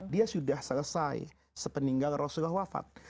dia sudah selesai sepeninggal rasulullah wafat